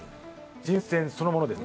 新鮮そのものです。